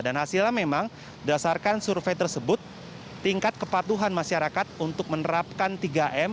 dan hasilnya memang berdasarkan survei tersebut tingkat kepatuhan masyarakat untuk menerapkan tiga m